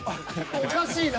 おかしいな。